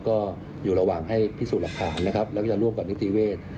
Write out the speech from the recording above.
ก็อยู่ระหว่างให้พิสูจน์หลักฐานนะครับแล้วก็จะร่วมกับนิติเวทย์